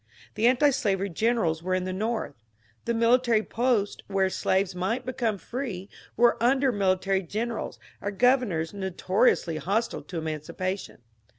The antislavery generals were in the North; the military posts where slaves might become free were under military generals or governors notoriously hostile to emancipation..